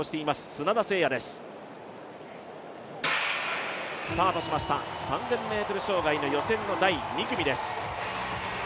砂田晟弥です、スタートしました、３０００ｍ障害の予選第２組です。